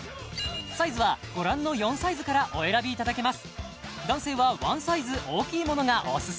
サイズはご覧の４サイズからお選びいただけます